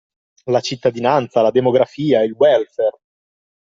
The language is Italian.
La cittadinanza, la demografia, il welfare.